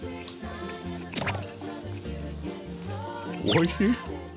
おいしい。